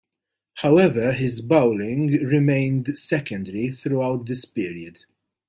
However, his bowling remained secondary throughout this period.